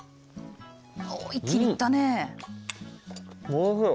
おいしい！